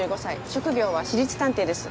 職業は私立探偵です。